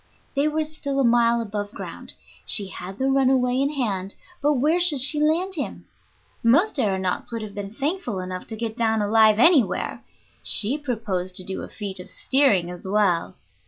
They were still a mile above ground. She had the runaway in hand, but where should she land him? Most aëronauts would have been thankful enough to get down alive anywhere; she proposed to do a feat of steering as well.